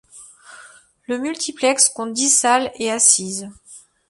Le multiplexe compte dix salles et assises.